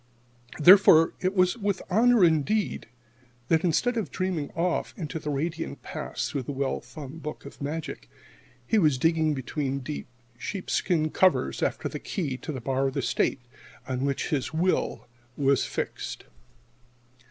Therefore it was with honor indeed that, instead of dreaming off into the radiant past through the well thumbed book of magic, he was digging between dull sheepskin covers after the key to the bar of the State, on which his will was fixed.